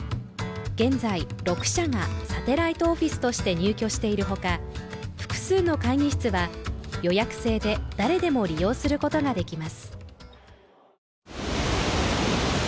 現在、６社がサテライトオフィスとして入居しているほか、複数の会議室は予約制で誰でも利用することができます。